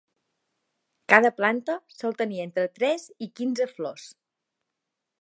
Cada planta sol tenir entre tres i quinze flors.